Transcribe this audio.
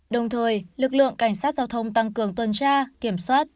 đồng thời lực lượng cảnh sát giao thông tăng cường tuần tra kiểm soát